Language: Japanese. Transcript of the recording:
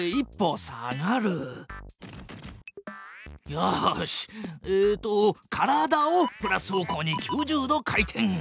よしえっと体をプラス方向に９０度回転！